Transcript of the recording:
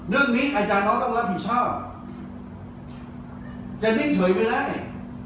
เรื่องนี้อาจารย์น้องต้องรับผิดชอบจะนิ่งเฉยไม่ได้